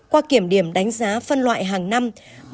qua kiểm điểm đánh giá phân loại hàng năm